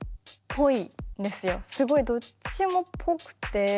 すごいどっちもぽくて。